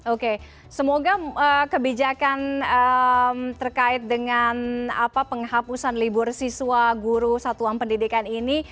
oke semoga kebijakan terkait dengan penghapusan libur siswa guru satuan pendidikan ini